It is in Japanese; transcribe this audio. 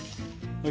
はい。